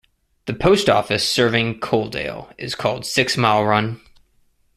The post office serving Coaldale is called Six Mile Run.